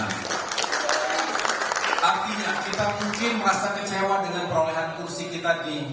artinya kita mungkin merasa kecewa dengan perolehan kursi kita di